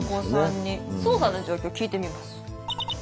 「捜査の状況」聞いてみます。